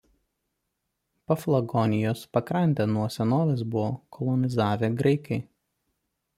Paflagonijos pakrantę nuo senovės buvo kolonizavę graikai.